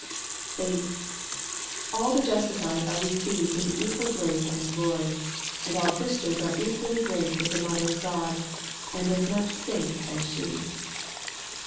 8. All the justified are received into equal grace and glory ; and all Christians are equally great with the Mother of God, and as much saints as she.